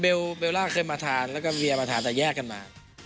เบลล่าเคยมาทานแล้วก็เมียมาทานแต่แยกกันมา